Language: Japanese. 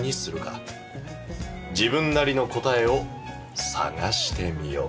自分なりの答えを探してみよう。